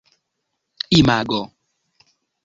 imago